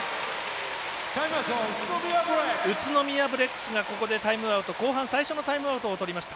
宇都宮ブレックスがここで後半最初のタイムアウトをとりました。